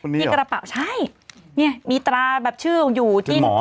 มีกระเป๋าใช่มีตราแบบชื่ออยู่